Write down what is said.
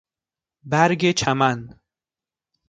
برگ چمن